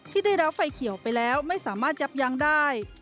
ที่ได้รับไฟเขียวไปแล้วไม่สามารถยับยั้งได้